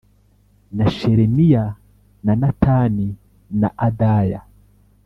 na shelemiya na natani na adaya